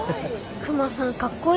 クマさんかっこいいね。